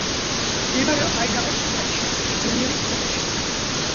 მდებარეობს აიდაჰოს შტატში, ბონერის ოლქში.